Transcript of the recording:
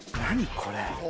これ。